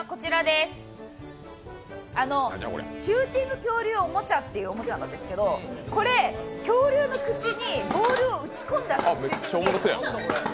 「シューティング恐竜おもちゃ」っていうおもちゃなんですけどこれ、恐竜の口にボールを打ち込んで遊ぶシューティングゲームなんです。